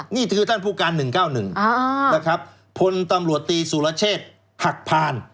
นี่คือท่านผู้การ๑๙๑นะครับพลตำรวจตีสุรเชษฐ์หักพาน